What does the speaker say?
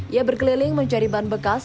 ia berkeliling menjadi ban bekas